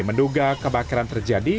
menduga kebakaran terjadi